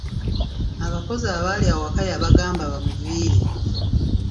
Abakozi abaali awaka yabagamba bamuviire.